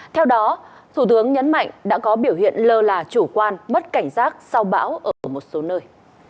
theo đó thủ tướng nhấn mạnh đã có biểu hiện lơ là chủ quan mất cảnh giác sau bão ở một số nơi